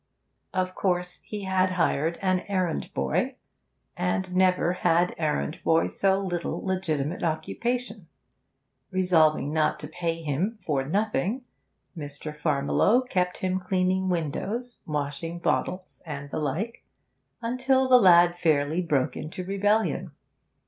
Of course, he had hired an errand boy, and never had errand boy so little legitimate occupation. Resolved not to pay him for nothing, Mr. Farmiloe kept him cleaning windows, washing bottles, and the like, until the lad fairly broke into rebellion.